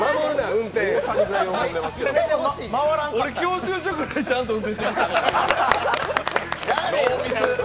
俺、教習所ぐらいちゃんと運転してました。